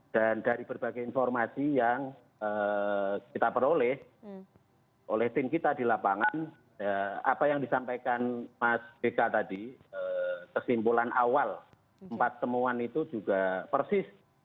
dan dari berbagai informasi yang kita peroleh oleh tim kita di lapangan apa yang disampaikan mas bk tadi kesimpulan awal empat temuan itu juga persis